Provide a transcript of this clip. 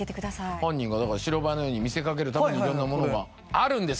犯人が白バイのように見せかけるために色んなものがあるんです